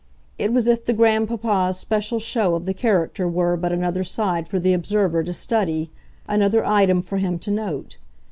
It was as if the grandpapa's special show of the character were but another side for the observer to study, another item for him to note.